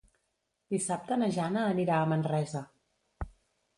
Dissabte na Jana anirà a Manresa.